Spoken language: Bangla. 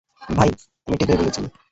ভাই, তুমি ঠিকই বলেছিলে।